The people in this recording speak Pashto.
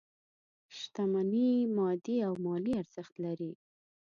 شتمني مادي او مالي ارزښت لري.